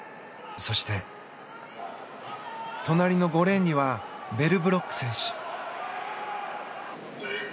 そして、隣の５レーンにはベルブロック選手。